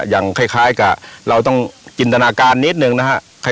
อย่างคล้ายกับเราต้องจินตนาการนิดนึงนะฮะ